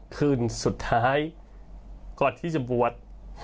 คืนสุดท้ายก่อนที่จะบวช